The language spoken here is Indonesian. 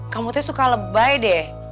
kamu tuh suka lebay deh